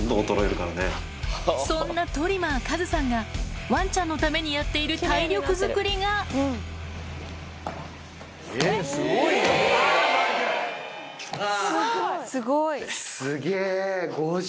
そんなトリマーカズさんがワンちゃんのためにやっている体力づくりがすげぇ！